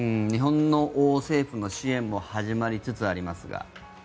日本の政府も支援も始まりつつありますが。